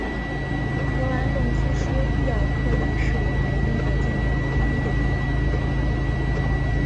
格兰诺夫说，伊尔克利是我在英国见到的第一个地方。